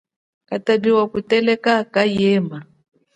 Katapi wa kuteleka kayema.